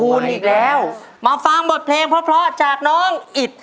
แค้นแก่นคูณอีกแล้วมาฟังบทเพลงเพราะเพราะจากน้องอิฐ